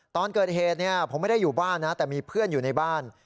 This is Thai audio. ตอนเกิดเหตุผมไม่ได้อยู่บ้านนะแต่มีเพื่อนอยู่ในบ้าน